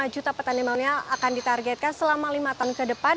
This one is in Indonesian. lima juta petani milenial akan ditargetkan selama lima tahun ke depan